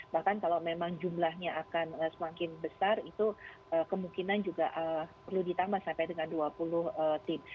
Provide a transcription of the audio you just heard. bahkan kalau memang jumlahnya akan semakin besar itu kemungkinan juga perlu ditambah sampai dengan dua puluh tim